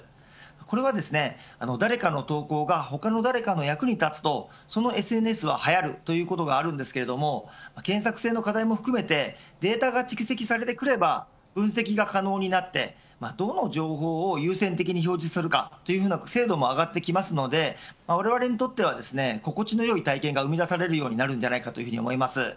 これは、誰かの投稿が他の誰かの役に立つとそのＳＮＳははやるということがあるんですが検索性の課題も含めてデータが蓄積されてくれば分析が可能になってどの情報を優先的に表示するかという精度も上がってきますのでわれわれにとっては心地の良い体験が生み出されるようになるんじゃないかと思います。